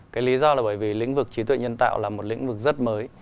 cái lý do là bởi vì lĩnh vực trí tuệ nhân tạo là một lĩnh vực rất mới